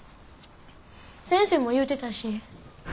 先生も言うてたし。